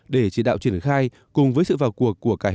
để chỉ đạo triển khai cùng với sự vào cuộc của cả hệ thống